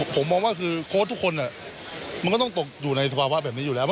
ผมมองว่าคือโค้ชทุกคนมันก็ต้องตกอยู่ในสภาวะแบบนี้อยู่แล้ว